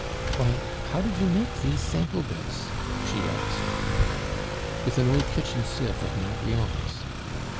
"Why, how did you make these sample bits?" she asked. "With an old kitchen sieve of Marion's."